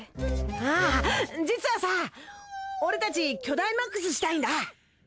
あぁ実はさ俺たちキョダイマックスしたいんだ。